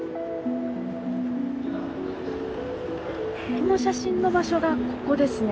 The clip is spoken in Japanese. この写真の場所がここですね。